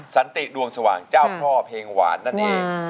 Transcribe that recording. สันติดวงสว่างเจ้าพ่อเพลงหวานนั่นเอง